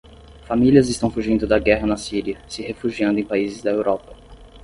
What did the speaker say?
Famílias estão fugindo da guerra na Síria, se refugiando em países da Europa